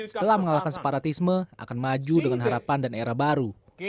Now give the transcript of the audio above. setelah mengalahkan separatisme akan maju dengan harapan dan era baru